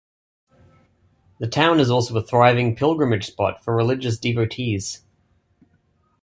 The town is also a thriving pilgrimage spot for religious devotees.